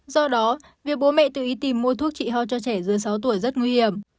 do đó việc bố mẹ tự ý tìm mua thuốc trị ho cho trẻ dưới sáu tuổi rất nguy hiểm